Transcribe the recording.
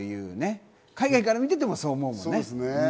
海外から見てても、そう思うもんね。